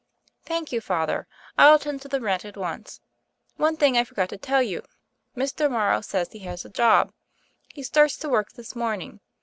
"Thank you. Father; I'll attend to the rent at once. One thing I forgot to tell you. Mr. Morrow says he has a job. He starts to work this morning.